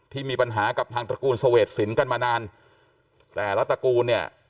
ที่มีปัญหากับทางตระกูลเสวดสินกันมานานแต่ละตระกูลเนี่ย